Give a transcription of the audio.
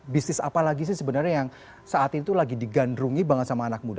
bisnis apa lagi sih sebenarnya yang saat itu lagi digandrungi banget sama anak muda